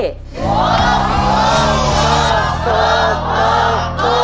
หัวหัวหัวหัวหัว